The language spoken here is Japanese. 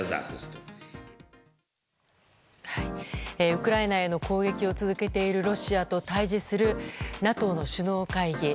ウクライナへの攻撃を続けているロシアと対峙する、ＮＡＴＯ首脳会議。